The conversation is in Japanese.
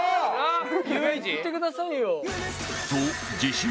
言ってくださいよ。